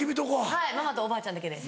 はいママとおばあちゃんだけで。